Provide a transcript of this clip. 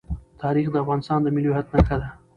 تاریخ د افغانستان د ملي هویت نښه ده.